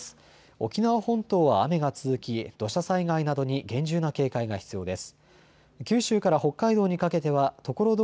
沖縄本島は雨が続き土砂災害などに厳重な警戒が必要です。